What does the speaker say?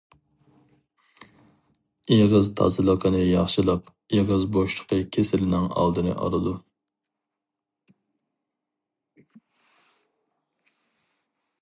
ئېغىز تازىلىقىنى ياخشىلاپ، ئېغىز بوشلۇقى كېسىلىنىڭ ئالدىنى ئالىدۇ.